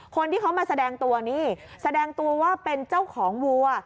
คนที่เขามาแสดงตัวนี่แสดงตัวว่าเป็นเจ้าของวัว